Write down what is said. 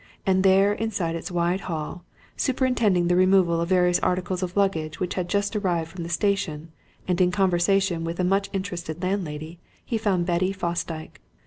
And there inside its wide hall, superintending the removal of various articles of luggage which had just arrived from the station and in conversation with a much interested landlady, he found Betty Fosdyke.